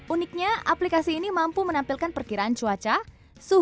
uniknya aplikasi ini mampu menampilkan perkiraan cuaca suhu dan angin di lokasi penggunanya